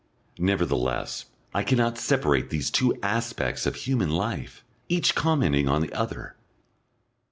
Nevertheless, I cannot separate these two aspects of human life, each commenting on the other.